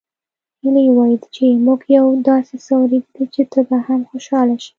هيلې وويل چې موږ يو داسې څه اورېدلي چې ته به هم خوشحاله شې